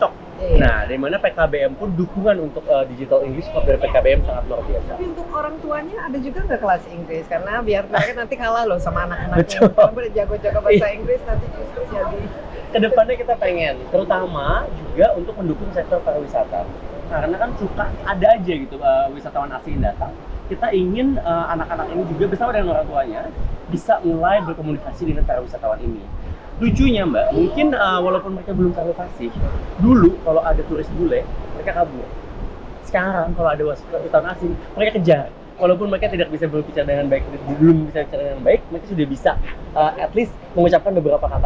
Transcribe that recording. karena kalau kita lihat dari ekonomi bagaimana itu